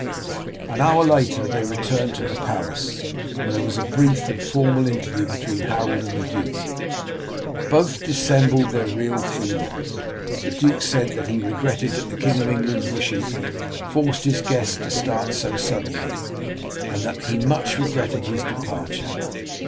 An hour later they returned to the palace, where there was a brief and formal interview between Harold and the duke. Both dissembled their real feelings. The duke said that he regretted that the King of England's wishes forced his guest to start so suddenly, and that he much regretted his departure.